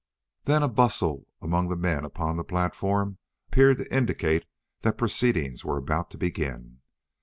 Then a bustle among the men upon the platform appeared to indicate that proceedings were about to begin.